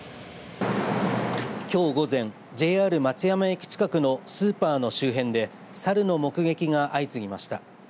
きょう午前、ＪＲ松山駅近くのスーパーの周辺でサルの目撃が相次ぎました。